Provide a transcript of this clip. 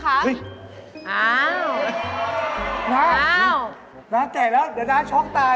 น้าแก่แล้วเดี๋ยวน้าช็อคตาย